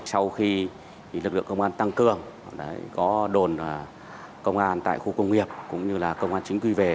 sau khi lực lượng công an tăng cường có đồn công an tại khu công nghiệp cũng như là công an chính quy về